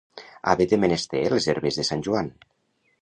Haver de menester les herbes de Sant Joan.